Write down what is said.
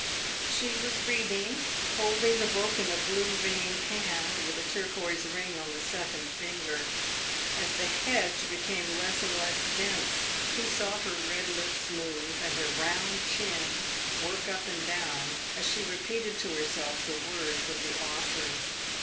She was reading, holding the book in a blue veined hand, with a turquoise ring on the second finger. As the hedge became less and less dense, he saw her red lips move and her round chin work up and down as she repeated to herself the words of the author.